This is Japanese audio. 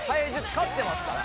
勝ってますから。